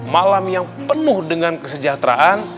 malam yang penuh dengan kesejahteraan